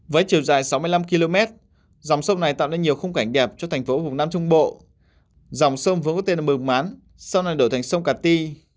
với chiều dài sáu mươi năm km dòng sông này tạo nên nhiều khung cảnh đẹp cho thành phố vùng nam trung bộ dòng sông vừa có tên là mường mán sau này đổi thành sông cà ti